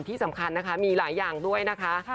ที่สำคัญนะคะมีหลายอย่างด้วยนะคะ